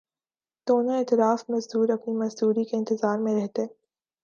دونوں اطراف مزدور اپنی مزدوری کے انتظار میں رہتے